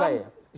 sumber daya alam